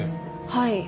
はい。